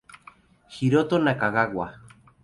Hiroto Nakagawa